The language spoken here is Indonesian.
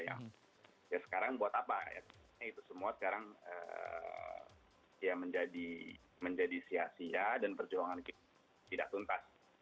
yang sekarang buat apa ya itu semua sekarang menjadi sia sia dan perjuangan tidak tuntas